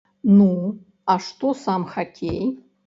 Ну, а што сам хакей?